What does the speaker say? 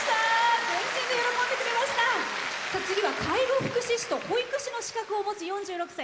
次は介護福祉士と保育士の資格を持つ４６歳。